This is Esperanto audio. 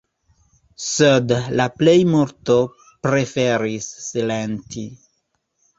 Sed la plejmulto preferis silenti.